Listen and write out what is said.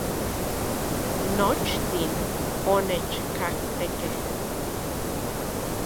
Nochtin onechkajtekej